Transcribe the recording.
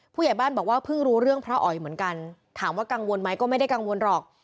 ผู้ใหญ่บ้านบอกว่าเพิ่งรู้เรื่องพระอ๋อยเหมือนกันถามว่ากังวลไหมก็ไม่ได้กังวลหรอก